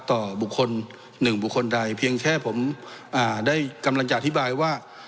ต่อบุคคลหนึ่งบุคคลใดเพียงแค่ผมได้กำลังจะอธิบายว่า